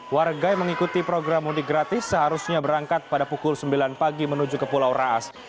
warga yang mengikuti program mudik gratis seharusnya berangkat pada pukul sembilan pagi menuju ke pulau raas